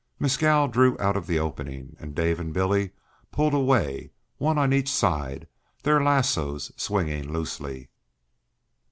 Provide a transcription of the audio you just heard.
Mescal drew out of the opening, and Dave and Billy pulled away, one on each side, their lassoes swinging loosely.